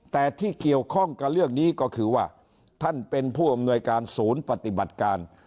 แต่ที่เกี่ยวข้องกับเรื่องนี้ก็คือว่าท่านเป็นผู้อำนวยการศูนย์ปฏิบัติการ